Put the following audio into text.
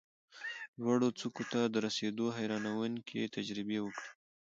لوړو څوکو ته د رسېدو حیرانوونکې تجربې وکړې،